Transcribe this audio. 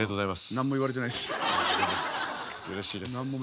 何も言われてないですよ。